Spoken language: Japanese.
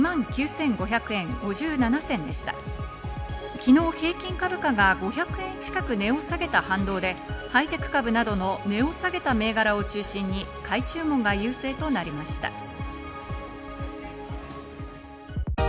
昨日、平均株価が５００円近く値を下げた反動でハイテク株などの値を下げた銘柄を中心に買い注文が優勢となりま速報です。